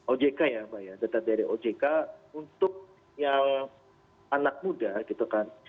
ojk ya pak ya data dari ojk untuk yang anak muda gitu kan